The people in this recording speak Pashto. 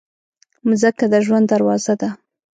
مځکه د ژوند دروازه ده.